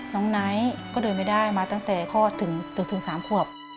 น้องน้ายก็เดินไม่ได้มาตั้งแต่ข้อถึงถึง๓ขวบ